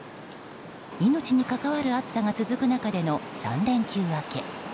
命に関わる暑さが続く中での３連休明け。